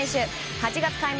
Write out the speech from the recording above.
８月開幕